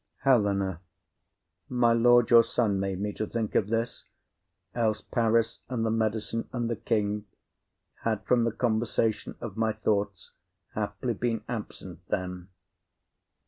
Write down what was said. HELENA. My lord your son made me to think of this; Else Paris, and the medicine, and the king, Had from the conversation of my thoughts Haply been absent then.